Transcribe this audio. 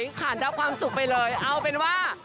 สมสติดิคันที่จะมีความสุขไปเลยเอาเป็นว่า